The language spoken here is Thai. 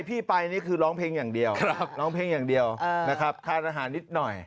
พี่ปายคือร้องเพลงอย่างเดียวค่าทานอาหารนิดหน่อย